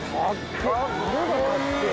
色がかっけえ。